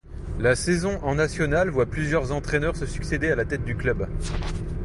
La saison en National voit plusieurs entraîneurs se succéder à la tête du club.